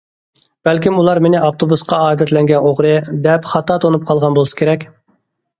بەلكىم ئۇلار مېنى ئاپتوبۇسقا ئادەتلەنگەن ئوغرى، دەپ خاتا تونۇپ قالغان بولسا كېرەك.